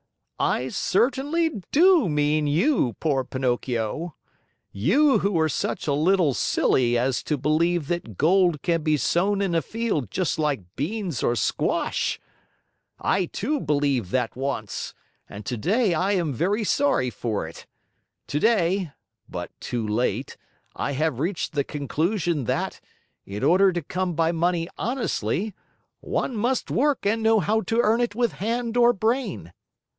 "I certainly do mean you, poor Pinocchio you who are such a little silly as to believe that gold can be sown in a field just like beans or squash. I, too, believed that once and today I am very sorry for it. Today (but too late!) I have reached the conclusion that, in order to come by money honestly, one must work and know how to earn it with hand or brain."